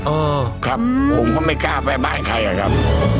ผมก็ไม่กล้าไปบ้านใครอ่ะครับ